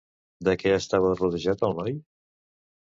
De què estava rodejat el noi?